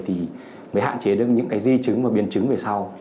thì mới hạn chế được những cái di chứng và biến chứng về sau